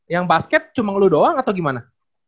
yang basket cuma ngeluh doang atau gimana